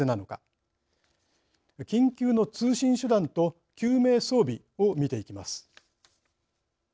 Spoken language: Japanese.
緊急の通信手段と救命装備を見ていきます。